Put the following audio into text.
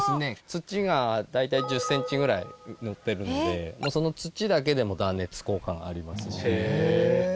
土が大体１０センチぐらいのってるのでその土だけでも断熱効果がありますので。